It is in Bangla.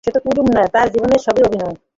সে তো কুমুদ নয়, তার জীবনে সবই অভিনয়।